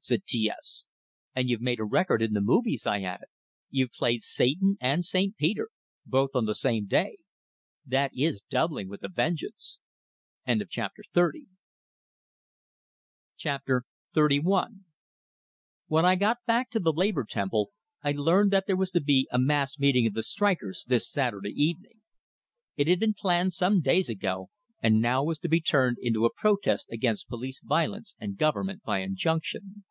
said T S. "And you've made a record in the movies." I added. "You've played Satan and St. Peter, both on the same day! That is 'doubling' with a vengeance!" XXXI When I got back to the Labor Temple, I learned that there was to be a mass meeting of the strikers this Saturday evening. It had been planned some days ago, and now was to be turned into a protest against police violence and "government by injunction."